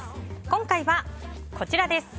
今回はこちらです。